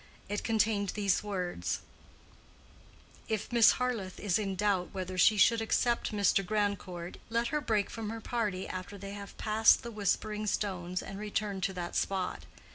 It contained these words, If Miss Harleth is in doubt whether she should accept Mr. Grandcourt, let her break from her party after they have passed the Whispering Stones and return to that spot.